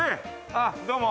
あっどうも。